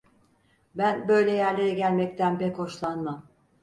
Ben böyle yerlere gelmekten pek hoşlanmam.